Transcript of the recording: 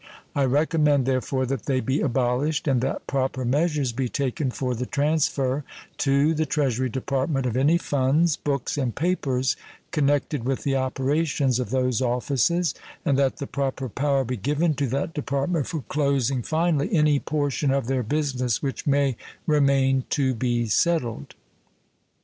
I recommend, therefore, that they be abolished, and that proper measures be taken for the transfer to the Treasury Department of any funds, books, and papers connected with the operations of those offices, and that the proper power be given to that Department for closing finally any portion of their business which may remain to be settled.